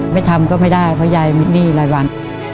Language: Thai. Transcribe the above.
ไม่ทำก็ไม่ได้เพราะยายมีหนี้รายวัน